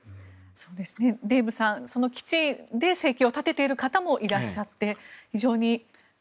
デーブさんその基地で生計を立てている方もいらっしゃって、非常に。